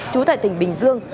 chú tại tỉnh bình dương